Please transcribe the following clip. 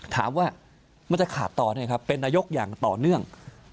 ถามว่ามันจะขาดตอนเป็นนโยคอย่างต่อเนื่อง